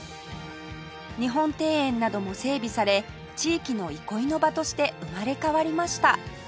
日本庭園なども整備され地域の憩いの場として生まれ変わりました